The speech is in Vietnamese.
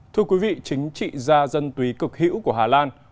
thưa quý vị chính trị gia dân túy cực hữu của hà lan